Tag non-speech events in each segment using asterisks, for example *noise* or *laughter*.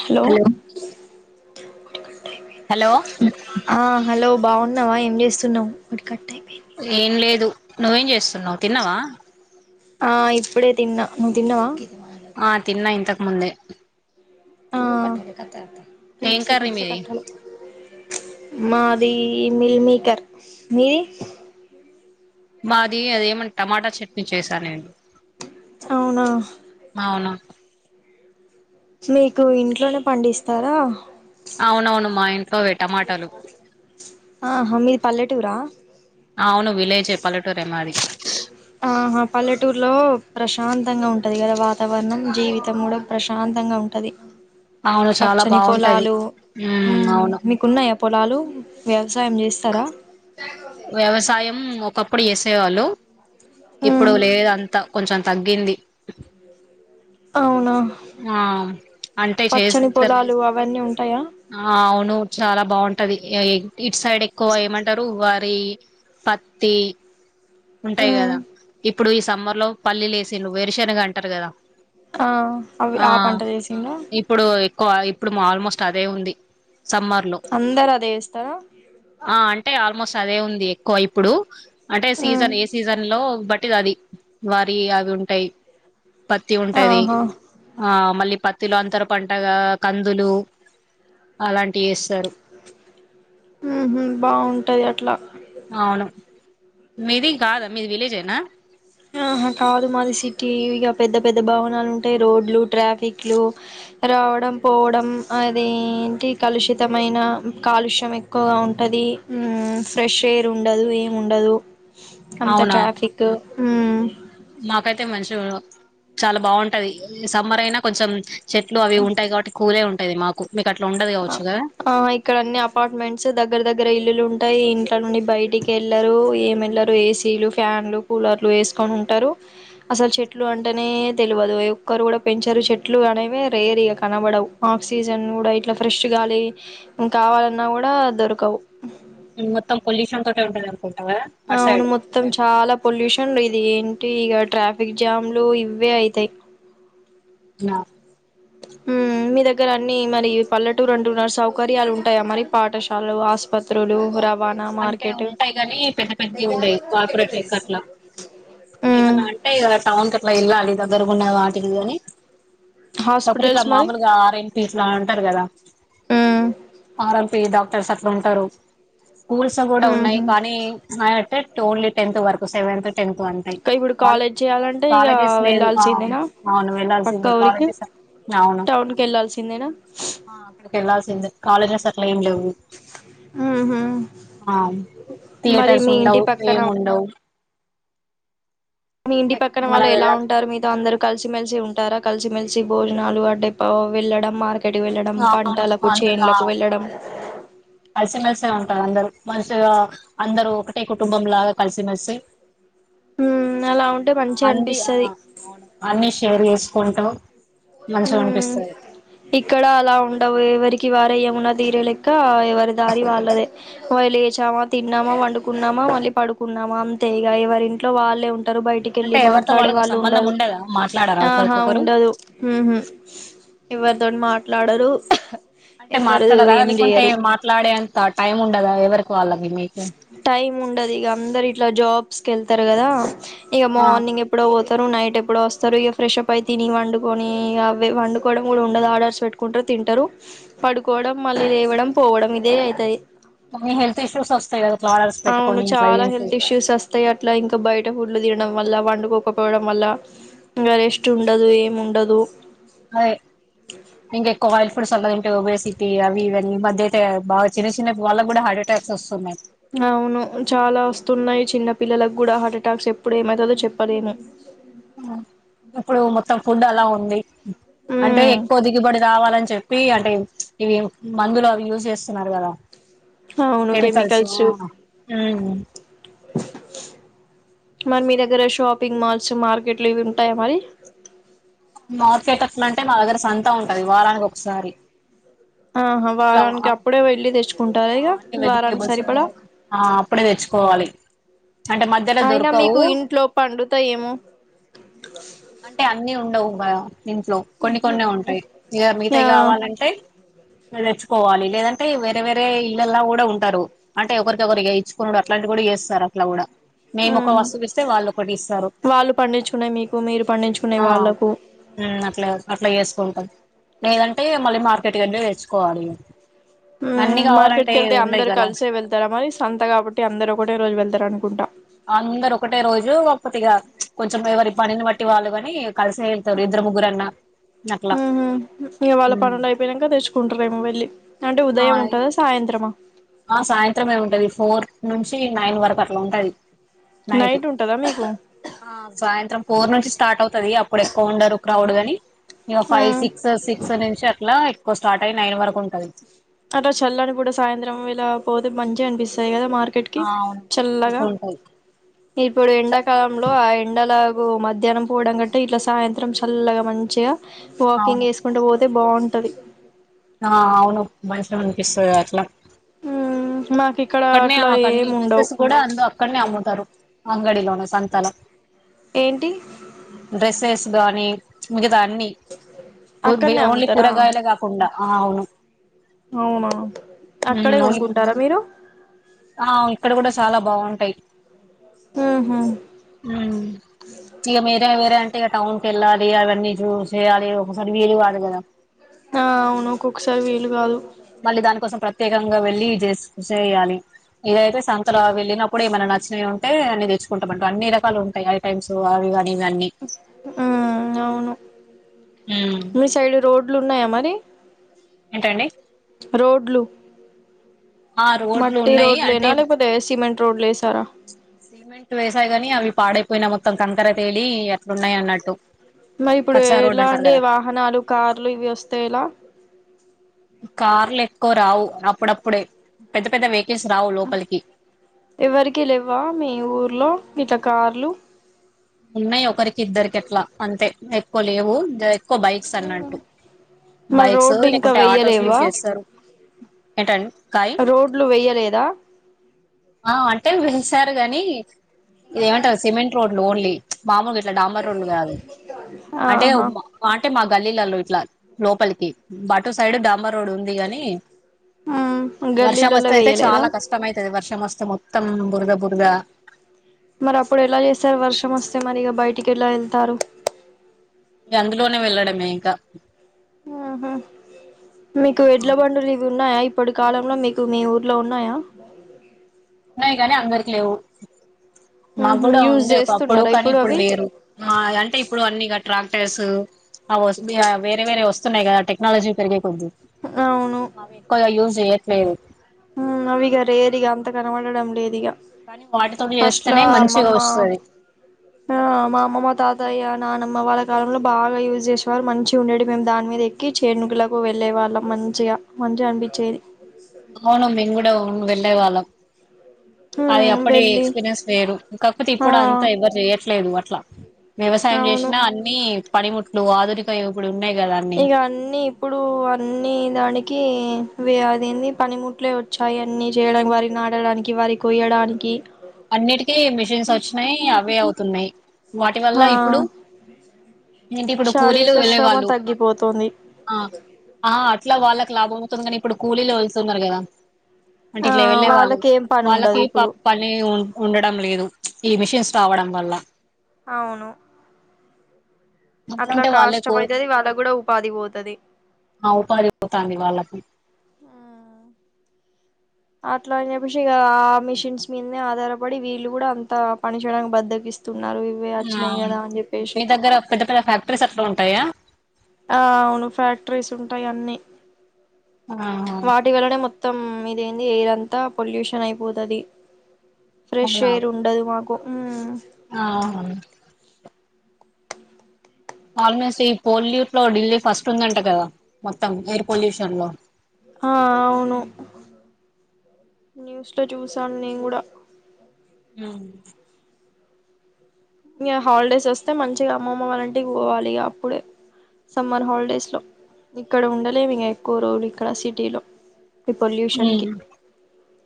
Hello hello ఆ hello బాగున్నావా ఏం చేస్తున్నవు ఒకటి కట్టయి ఏంలేదు. నువ్వేం చేస్తున్నవు తిన్నవా. ఆ ఇప్పుడే తిన్నా. నువ్వు తిన్నవా? ఆ తిన్నా ఇంతకు ముందే. ఆ టూ ఏం కర్రీ సెకండ్స్ కే మీది కట్ *inaudible* మాది మిల్మికర్. మీది? మాది అదేమంట టమాటా చట్నీ చేసా నేను. అవునా. అవును మీకు ఇంట్లోనే పండిస్తారా? అవునవును మా ఇంట్లోవె టమాటలు. ఆహా మీది పల్లెటూరా అవును విలేజె పల్లెటూరెమాది. ఆహా పల్లెటూరులో ప్రశాంతంగా ఉంటది కదా వా తావరణం జీవితం కూడా ప్రశాంతంగా ఉం టది. అవును చాలా పచ్చని బాగుంటది పొలాలు హ్ ఉమ్ అవును మీకున్నయా పొలాలు. వ్యవసాయం చేస్తరా. వ్యవసాయం ఒకప్పుడు ఎసేవాల్లు. ఇప్పుడు ఉమ్ లేదు అంతా కొంచెం తగ్గింది అవునా ఆ అంటే పచ్చని చేస్తర్ పొలాలు అవన్నీ ఉంటాయా ఆ అవును చాలా బాగుంటది ఇటు సైడ్ ఎక్కువ ఏమంటరు వరి పత్తి ఉంటాయి కదా ఇప్ ఇప్పుడు ఈ సమ్మర్ లో పల్లిలు లేేసిన్రు వేరుశనగ అంటరు కదా ఆ అవి ఆ పంట చేసిందా ఇప్పుడు ఎక్కువ ఇప్పుడు ఆల్మోస్ట్ అదే ఉంది. సమ్మర్ లో అందరు అదే వేస్తారా ఆ అంటే ఆ ల్మోస్ట్ అదే ఉంది ఎక్కువ ఇప్పుడు. అంటే సీజన్ ఏ సీజన్ లో బ గది వరి అవి ఉంటాయి పత్తి ఉంటది ఆహా ఆ మళ్ళీ పత్తిలో అంతర పంటగా కందులు అలాంటివి ఏస్తరు ఉహు బాగుంటది అట్లా అవును మీది కాదా మీది విలేజ్ ఎ అ ఆహా కాదు మాది సిటీ ఇక పెద్ద పెద్ద భవనాలు ఉంటాయి. రోడ్లు ట్రాఫిక్లు రావడం, పోవడం అదేంటి కలుషితమైన కాలుష్యం ఎక్కువగా ఉంటది. ఫ్రెష్ ఎయిర్ ఉండదు. ఏమి ఉండదు. అంత అవునా ట్రాఫిక్ మాకైతే మన్ కొంచు చాలా బాగుంటది సమ్మర్ అయినా కొంచెం చెట్లు అవి ఉంటాయి కాబట్టి కూలే ఉం పెది మాకు మీకు అట్లా ఉండదు ఆ కావచ్చు కదా ఆ ఇక్కడ అన్ని అపార్ట్మెంట్స్ దగ్గర దగ్గర ఇల్లులు ఉంటే అట్ నుండి బయటికి వెళ్లరు. ఏం ఎళ్లరు. ఏసీలు ఫ్యాన్లు కూలర్లు వేసుకొని ఉంటరు. అసలు చెట్లు అంటేనే తెల్వదు. ఒక్కరు కూడా పెంచరు. చెట్లు అనేవి రేర్ ఇక కనబడవు. ఆక్సిజన్ కూడా ఇట్లా ఫెష్ట్ గాలి ఇ కావాలన్నా కూడా దొరకవు మొత్తం పొల్యూషన్ అంతా అట్టా ఉం అవును మొత్తం చాలా పొల్యూషన్ ఇది ఏం అంటే ఇక ట్రాఫిక్ జామ్లు ఇవ్వే అయితాయి నా మీ దగ్గర అన్ని మరి పల్లెటూరు అంటున్నారు. సౌకర్యాలు ఉంటాయా మరి పాఠశాలలు, ఆస్పత్రులు, ఓహరం అంటే ఉంటాయి కాని పెద్ద పెద్ద ఉండేయి కార్పొరేట్ లెక్క అట్లా ఉమ్ ఏమన్నా అంటే ఇగ టౌన్ కు అట్లా ఎళ్ళాలి దగ్గరకున్న వాటికి కాని కాకపోతే ఇక హాస్పిటల్స్ మరి మామూలుగా ఆర ఎం పీస్ లాంటి ఉంటారు కదా ఆరమ్ ఈ డాక్టర్స్ అట్లుంటరు కూల్స్ కూడా ఉన్నాయి ఉహు కానీ ప్చ్ ఆటేట్ ఓన్లీ టెత్ వరకు సెవెంత్ టెంతు అంతే ఇప్పుడు కాల్ కాలేజ్ చేయాలంటే ఇక కాలెజెస్ లేదు ఆ వెళ్ళాల్సిందేనా అవును పక్క వెలల్సిందే ఊరికి కాలేజెస్ అవును టౌన్ కి వెళ్ళాల్సిందేనా ఆ అక్కడకి ఎలాల్సిం ఎందుకు కాలజస్ అట్ ఎం లేవు ఉహు ఆ మరి థియేటర్స్ మీ ఇంటి ఉండవు పక్కన ఏం ఉండవు మీ ఇంటి పక్కన మనం వాళ్ళు ఎలా వెళ్ళాలి ఉంటారు మీతో అందరు కలిసిమెలిసి ఉంటారా కలిసిమెలిసి భోజనాలు అడ్డే వెళ్ళడం మార్క్ ఎటు వెళ్ళడం అవును పంటలకు అందరు ఆ చేన్లకు వెళ్లడం కలిసిమెలిసే అందరు మంచిగా అందరు ఒకటే కుటుంబం లాగా కలిసిమెలిసి ఊమ్ అలా ఉంటే అంది ఆ మంచిగనిపిస్తది అవును అన్ని షేర్ చేసుకుంటూ ఉమ్ మంచిగనిపిస్తది ఇక్కడ అలా ఉండవు ఎవరికి వారే ఏమునా తీరే లెక్క ఎవరి దారి వాళ్ళదే ఒయి లేచామా తిన్నామా వండుకున్నామా మళ్ళీ పడుకున్నామా అంతే ఇగ ఎవరి ఇంట్లో వాళ్ళే ఉం టారు అంటే బయటికెళ్ళి ఎవరితో మాట్లాడే వాళ్ళకు వాళ్ళు సంబంధం ఉండరు ఉండదా మాట్లాడరా ఆహా ఒకరికొకరు ఉండదు ఉహు నతోని మాట్లాడరు ఆహ్ అంటే మాట్లాడరా లేకుంటే మాట్లాడే అంత టైం ఉండదా ఎవరి టైం ఉండదు ఇగ అందరు ఇట్లా జాబ్ స్కెళ్తరు కదా ఇగ ఆ మార్నింగ్ ఎప్పుడో ఓతే తరు నైట్ ఎప్పుడో వస్తారు ఇగ ఫ్రెష్ అప్ అయి తిని వండుకొని అవి వండుకోవడం కూడా ఉండదు ఆడర్స్ పెట్టుకుంటారు తింటారు పడుకోవడం మళ్ళీ లేవడం పోవడం ఇదే ఐతది మన హెల్త్ ఇష్యూస్ ఓస్ తయిగద అవును చాలా హెల్త్ ఇష్యూస్ వస్తాయి అట్లా ఇంకా బయట ఫు డ్లు తినడం వల్ల వండుకోకపోవడం వల్ల ఇంకా రెస్ట్ ఉండదు ఏముండదు అయి ఇంకేక్కో వైల్స్ ప్రెసలు తింటూ ఒబేసిటీ అవి ఇవి ఇవన్ని మధ్యయితే బాగా చిన్న చిన్న వాళ్ళకు కూడా హార్ట్ అటాక్స్ ఒస్తున్నాయి అవును చాలా వస్తున్నాయి చిన్న పిల్లలకు కూడా హార్ట్ అటాక్స్ ఎప్పుడు ఏమతదో చెప్పలేము ఇప్పుడు మొత్తం ఫుడ్ అలా ఉంది అంటే ఉమ్, ఎక్కువ దిగుబడి రావాలని చెప్పి అంటే ఇవి మందులు అవి యూజ్ చేస్తున్నారు కదా అవును కెమికల్సు ఆ కెమికల్స్ మరి మీ దగ్గర షాపింగ్ మాల్స్ మార్కెట్లు ఇవి ఉంటాయా మరి మార్కేటట్ల అంటే మా దగ్గర సంతం ఉంటది వారానికి ఒకసారి ఆహా ఇట్లా వారానికి అప్పుడే వెళ్ళి తెచ్చుకుంటారా ఆ ఇగ అన్ని వారానికి వెజిటేబుల్స్ సరిపడా, ఆ అప్పుడే తెచ్చుకోవాలి అంటే మధ్యలో అయినా మీకు దొరకవు ఇంట్లో పండుతా ఏమో అంటే అన్నీ ఉండవు బా ఇంట్లో కొన్ని కొన్నే ఉంటాయి ఇక ఆ మిగతాయి కావాలంటే తెచ్చుకోవాలి లేదంటే వేరే వేరే ఇళ్ళలా కూడా ఉంటారు అంటే ఒకరిక ఒకరు ఇచ్చుకునుడు అట్లాంటి కూడా చేస్తారు అట్లా కూడా మేము ఒక ఆహ వస్తువు ఇస్తే వాళ్ళు ఒకటి ఇస్తారు వాళ్ళు పండించుకున్నాయి మీకు మీరు పండించుకున్నాయి ఆ ఊ వాళ్ళకు అట్లా అట్లా చేసుకుం లేదంటే ఇగ మళ్ళీ మార్కెట్ కెళ్ళి తెచ్చుకోవాలి ఇగ మ్మ్ మార్కెట్ కి వెళ్తే అందరు కలిసే వెళ్తారా మరి స్ సంత కాబట్టి అందరూ ఒకటే రోజు వెళ్తారు అనుకుంటా అందరు ఒకటే రోజు టేవాళ్ళుగాని కలిసే వెళ్తారు ఇద్దరు ముగ్గురన్నా అట్లా మ్మ్ హ్మ్ ఇగ వాళ్ళ పనులు అయిపోయినాంక తెచ్చుకుంటారేమో వెళ్ళి అంటే ఉదయం ఆ ఉంటదా సాయంత్రమా ఆ సాయంత్రంమే ఉంటది ఫోర్ నుంచి నైన్ వరకు అట్లా ఉంటంది. నైట్ ఉంటదా మీకు ఆ సాయంత్రం ఫోర్ నుంచి స్టార్ట్ అవుతుది అప్పు ఇప్పుడు ఎక్కువ ఉండరు క్రౌడ్ గాని ఇగా ఫైవ్ మ్మ్ సిక్స్ సిక్స్ నుంచి అట్లా ఏక్ స్టార్ట్ అయి నైన్ వరకు ఉంటంది. అట చల్లని కూడా సాయంత్రం ఇలా పోతే మంచిగా అనిపిస్తాయి కదా మార్కెట్ కి ఆ అవును చల్లగా మంచిగా ఉంటది ఇప్పుడు ఎండాకాలంలో ఎండలాగు మధ్యాహ్నం పోవడం కంటే ఇట్లా సాయంత్రం చల్లగా మంచిగా అవును వాకింగ్ వేసుకుంటే పో ఉంటే బావుంటాది ఆ అవును మనిషం అనిపిస్తుంది అట్లా హ్మ్ అక్కడనే మాక్ అన్ని డ్రెసెస్ కూడా అందు అక్కడనే అమంట తారు అంగడిలోనే సంతలో ఏంటి డ్రెసెస్ బా ని మిగ త అన్నీ కూర్ బి అక్కడనే ఓన్లీ అమ్ముతారా కూరగాయలే గాకుండా ఆ అవును అవునా అక్కడే కొనుక్కుంటారా *unintelligible* మీరు ఆ ఇక్కడ కూడా చాలా బాగుంటాయి ఊహూ హ్ ఇగా మీరే వేరే ఆంటె టౌన్ తెల్లారి అవ్వని జూసి అది ఒకసారి వీలు కాదు గాదా ఆ మళ్ళీ దానికోసం ప్ర ప్రత్యేకంగా వెళ్ళి జేస్ చేయాలి ఇదైతే సంతలో ఆ వెళ్ళినప్పుడు ఏమైనా న చ్చే ఉంటే అన్నీ తెచ్చుకుంటాం బంటు అన్నీ రకాలుంటాయి ఐటైమ్స్ అవిగా నీ గన్నీ మ్మ్ అవును మీ సైడ్ రోడ్లు ఉన్నాయా మరి ఏంటండి రోడ్లు ఆ రోడ్లు మట్టి ఉన్నాయి రోడ్లెన అంటే లేకాపోతే సింమెట్ రోడ్లు ఏసారా సిమెంట్ వేసారూ గాని అవి పాడైపోయినాయి మొత్తం కంకర తేలి అట్లున్నాయి. అన్నట్టు మరి ఇప్పుడు కచ్చా రోడ్ ఎలా అంటారు అండి కదా వాహనాలు కార్లు ఇవి వొస్తే ఎలా కార్లూ ఏ క్కువ రావు అప్పుడప్పుడే పెద్ద పెద్ద వెహికల్స్ రావు లోపలికి ఎవరికి లేవ్వ మీ ఊర్లో గిట్ల కార్లు ఉన్నాయి ఒకరి ఇద్దరికి ఆట్లా అంతే క్కువ లేవు. ఏ క్కువ బైక్స్ అన్నట్టు మరి బైక్స్ రోడ్డు ఇంకా లేకుంటే ఆటోస్ యూస్ వెయ్యలేవా చేస్తారు. ఏంటం రోడ్లు వెయ్యలేదా ఆ అంటే పిలిచారు గాని ఏమంటారు సిమెంట్ రోడ్డు ఓన్లీ మమ్ముంగిట్ ట్ల డాంబర్ రోడ్లు కాదు. అంటే ఆహా మ అంటే మాక్ గల్లీలల్లో ఇట్లా లోపలికి బాటు సైడ్ డాంబర్ రోడ్డు ఉంది. గాని ఉమ్ వర్షం గల్లీలలో వస్తే అయితే వేయలేదా చాలా కష్టమైతుది వర్షం వస్తే స మొత్తం బురద బురద మరి అప్పుడు ఎలా చేస్తారు వర్షమొస్ తే మరిగ బైటికెలా ఎళ్తారు ఇగ అందులోనే వెళ్ళడమే ఇంక ఆహా మీకు ఎడ్ల బండు లివు ఉన్నాయా ఇప్పుడు కాలంలో మీకు మీ ఊర్లో ఉన్నాయా ఉన్నాయి. గానీ అందరికి లేవు. మా మ్మ్ కూడా యూజ్ ఉండే ఒక అప్పుడు చేస్తున్నారా కానీ ఇప్పుడు అవి లేరు. మా అంటే ఇప్పుడు అన్నిగా ట్రాన్ టక్టర్స్ వేరే వేరే వస్తున్నాయి. కదా టెక్నాలజీ పెరిగే కొద్ది అవును అవి ఎక్కువగా యూస్ చేయార్ లేను ఉ అవి ఇగ రేర్ అంత కనబడడం. లేదు ఇగ కానీ వాటితోటి ఫస్ట్ లో చేస్తేనే మంచిగా అమ్మమ్మా వస్తది మా అమ్మమ్మా తాతయ్య నానమ్మ వాళ్ళ కాలంలో బాగా యూజ్ చేసేవారు మంచిగా ఉండేడు మేము దాని మీద ఎక్కి చేనుగిలకు వెళ్ళే వాళ్ళం మంచిగా మంచిగా అన్పిచ్చేది అవును మేం గూడా ఔను వెళ్ళేవాళ్ళం అది మ్మ్ అప్పడి వెళ్ళి ఎక్స్పీరియన్స్ వేరు కాకపోతే ఆ ఇప్పుడు అంతా ఎవ్వరు చెయ్యట్లేదు అట్లా వ్యవసాయం అవును చేసినా అన్ని పనిముట్లు ఆధునిక యువకుడు ఇక అన్ని ఇప్పుడు అన్ని దానికి కి అది ఏన్ది పనిముట్లే వచ్చాయి అన్ని చేయనికి వారి నాడడానికి అన్నిటికీ మిషన్స్ వచ్చినాయి అవే అవుతున్నాయి. వాటి వల్ల ఆ ఇప్పుడు ఏంటి ఇప్పుడు కూలీలు శారీరక శ్రమ వెళ్ళేవాళ్ళు తగ్గిపోతుంది ఆ ఆ ఇట్లా వాళ్ళకి లాభం అవుతుంది కానీ ఇప్పుడు కూలీలు వెళ్తున్నారు కదా అంటే ఆ ఇట్లా వెళ్ళే వాళ్ళు వాళ్ళకేమ్ వాళ్ళకి ప పని ఉ ఉండడం లేదు దు ప్చ్ ఈ మిషన్స్ రావడం వల్ల అవును అట్లా అట్లుంటే వాళ్ళకు కాష్టంమయితది వాళ్ళ కూడా ఉపాధి పోతది ఆ ఉపాధి పోతాంది వాళ్ళకి అట్లా అని చెప్పేసి ఇక ఆ మిషన్స్ మీదనే ఆధారపడి వీళ్ళు కూడా అంతా పని చేేయడానికి బద్దకిస్త్ ఆ అవును మీ దగ్గర పెద్ద పెద్ద ఫ్యాక్టరీస్ అట్లా ఉంటయి టాయా ఆ అవును ఫ్యాక్టరీస్ ఉంటాయి అన్నీ ఆహా వాటిివలనే మొత్ మొత్తం ఇది ఏంది ఎయిర్ అంతా పొల్యూషన్ అయిపోతది ఫ్రెష్ ఎయిర్ ఉండదు మాకు మ్ ఆహ ఆల్మోస్ట్ ఈ పొల్యూట్ లో ఢిల్లీ ఫస్ట్ ఉందంట కదా మొత్తం ఎయిర్ పొల్యూషన్ లో ఆ అవును న్యూస్ లో చూసాను నేను కూడా మ్ ఇగ హాలిడేస్ వస్తే మంచిగా అమ్మమ్మ వాళ్ళంటికి పోవాలి. ఇగ అప్పుడే సమ్మర్ హాలిడేస్ లో ఇక్కడ ఉండలేము ఇంగ ఎక్కువ రోజులు ఇక్కడ సిటీ లో. హుమ్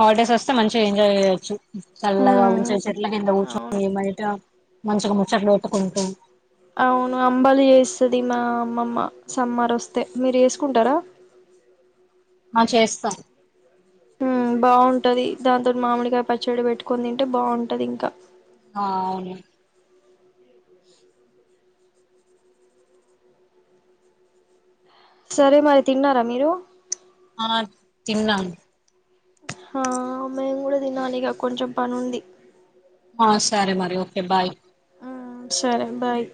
హాలిడేస్ వస్తే మంచిగా ఎంజాయ్ చేయ్ చ్చు చలగ మ్మ్ వచే చెట్ల కింద అవును కుర్చుని భయట మంచిగా ముచ్చట్లు పెట్టుకుంటూ అవును అంబలి ఇస్తుందిమా అమ్మమ్మ సమ్మార్ వస్తే మీరు వేసుకుంటారా ఆ చేస్తాన మ్మ్ బాగుంటది దాంతో మామిడిగాయ పచ్చడి పెట్టుకని తింటే బాగుంటది ఇంకా ఆ అవును సరే మరి తిన్నారా మీరు ఆ తిన్నా ఆ మేము కూడా తినాలి ఇక కొంచెం పని ఉంది సరే మరి ఓకే బాయ్ ఆ సరే బాయ్